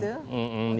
yang mengikuti cuti itu